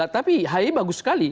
tapi hayi bagus sekali